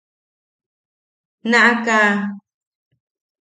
¡Naʼaka!